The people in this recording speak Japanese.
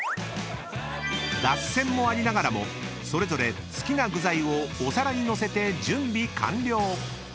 ［脱線もありながらもそれぞれ好きな具材をお皿に載せて準備完了］